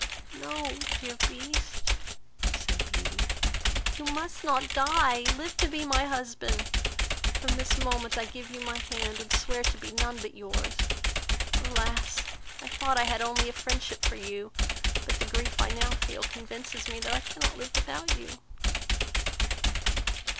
"No, dear Beast, (said Beauty,) you must not die; live to be my husband; from this moment I give you my hand, and swear to be none but yours. Alas! I thought I had only a friendship for you, but, the grief I now feel convinces me, that I cannot live without you."